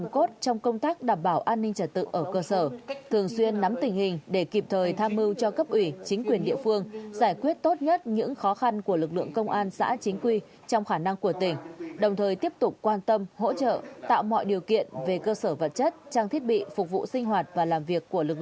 công tác chuẩn bị cho đại lễ phật đại hội